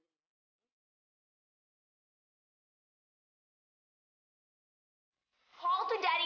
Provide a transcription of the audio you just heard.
kau tak tahu apa yang akan terjadi